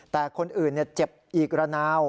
แต่คนอื่นเจ็บอีกระนาว